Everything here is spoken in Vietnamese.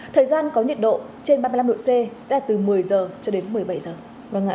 thời gian có nhiệt độ trên ba mươi năm độ c sẽ là từ một mươi giờ cho đến một mươi bảy giờ